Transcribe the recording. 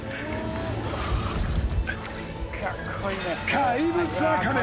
怪物アカメ